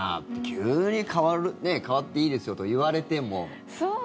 急に変わる変わっていいですよと言われても。